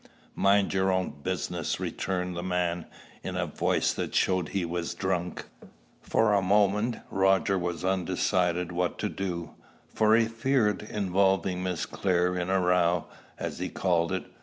"Mind your own business," returned the man, in a voice that showed he was drunk. For a moment Roger was undecided what to do; for he feared involving Miss Clare in a row, as he called it.